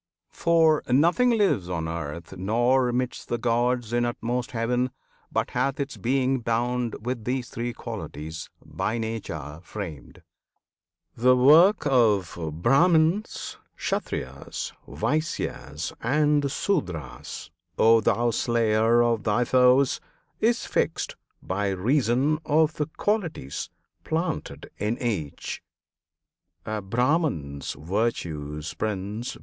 For nothing lives on earth, nor 'midst the gods In utmost heaven, but hath its being bound With these three Qualities, by Nature framed. The work of Brahmans, Kshatriyas, Vaisyas, And Sudras, O thou Slayer of thy Foes! Is fixed by reason of the Qualities Planted in each: A Brahman's virtues, Prince!